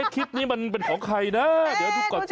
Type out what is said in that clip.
คลิปนี้มันเป็นของใครนะเดี๋ยวดูก่อนสิ